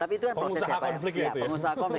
pengusaha konfliknya itu ya